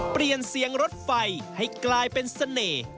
เปลี่ยนเสียงรถไฟให้กลายเป็นเสน่ห์